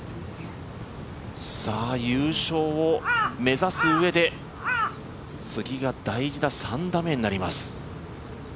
優勝を目指すうえで次が大事な３打目になります。